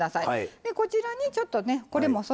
でこちらにちょっとねこれも添え野菜。